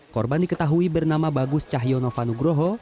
korban diketahui bernama bagus cahyono fanugroho